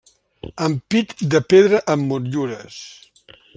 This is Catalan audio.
Ampit de pedra amb motllures.